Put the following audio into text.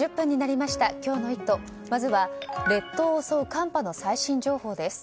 まずは列島を襲う寒波の最新情報です。